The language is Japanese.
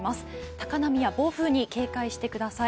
高波や暴風に警戒してください。